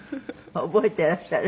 覚えていらっしゃる？